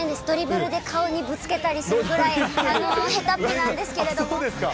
ドリブルで顔にぶつけたりするぐらいへたっぴなんですけれども。